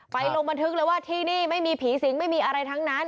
ลงบันทึกเลยว่าที่นี่ไม่มีผีสิงไม่มีอะไรทั้งนั้น